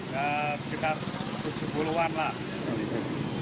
ya sekitar tujuh puluh an lah